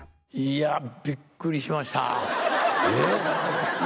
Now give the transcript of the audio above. いや、びっくりした。